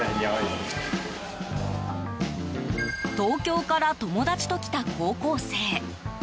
東京から友達と来た高校生。